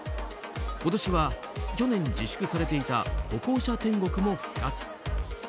今年は、去年自粛されていた歩行者天国も復活。